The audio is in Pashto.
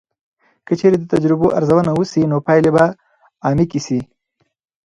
که چیرې د تجربو ارزونه وسي، نو پایلې به عمیقې سي.